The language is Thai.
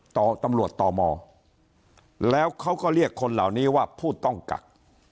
ต่อตำรวจต่อมแล้วเขาก็เรียกคนเหล่านี้ว่าผู้ต้องกัก